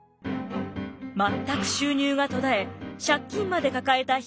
全く収入が途絶え借金まで抱えた口家。